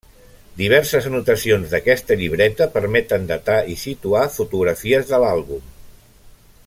Diverses anotacions d'aquesta llibreta permeten datar i situar fotografies de l'àlbum.